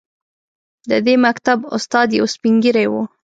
د دې مکتب استاد یو سپین ږیری و.